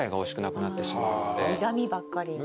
苦味ばっかりに。